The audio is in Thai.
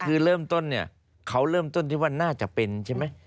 คือเริ่มต้นเนี่ยเขาเริ่มต้นที่ว่าน่าจะเป็นใช่ไหม